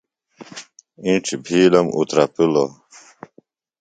اِنڇ بِھیلم اوترپِلوۡ۔